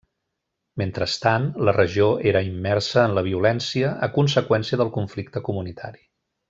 Mentrestant, la regió era immersa en la violència a conseqüència del conflicte comunitari.